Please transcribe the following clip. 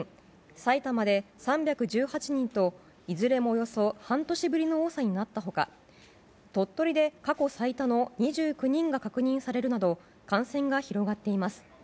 埼玉で３１８人といずれもおよそ半年ぶりの多さになった他鳥取で過去最多の２９人が確認されるなど感染が広がっています。